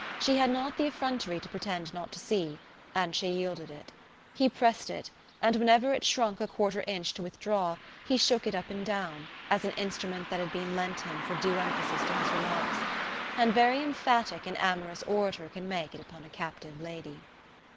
She had not the effrontery to pretend not to see, and she yielded it. He pressed it, and whenever it shrunk a quarter inch to withdraw, he shook it up and down, as an instrument that had been lent him for due emphasis to his remarks. And very emphatic an amorous orator can make it upon a captive lady.